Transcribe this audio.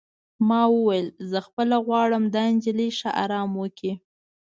ما وویل: زه خپله غواړم دا نجلۍ ښه ارام وکړي.